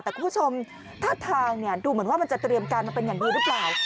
แต่คุณผู้ชมท่าทางดูเหมือนว่ามันจะเตรียมการมาเป็นอย่างดีหรือเปล่า